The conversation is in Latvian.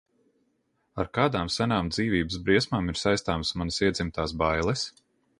Ar kādām senām dzīvības briesmām ir saistāmas manas iedzimtās bailes?